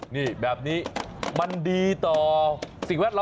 นี่แบบนี้มันดีต่อสิ่งแวดล้อม